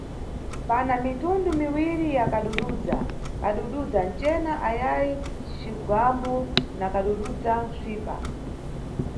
Pana mitundu miwiri ya kadududza: kadududza ncena ayayi cigwambo na kadududza psipa.